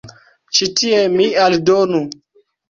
Ĉi tie mi aldonu.